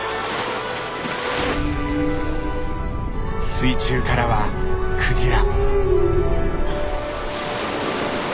水中からはクジラ。